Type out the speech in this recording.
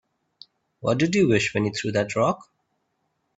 What'd you wish when you threw that rock?